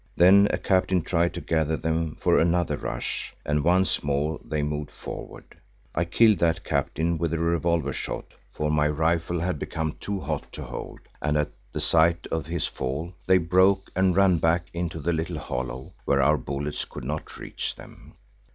Then a captain tried to gather them for another rush, and once more they moved forward. I killed that captain with a revolver shot, for my rifle had become too hot to hold, and at the sight of his fall, they broke and ran back into the little hollow where our bullets could not reach them.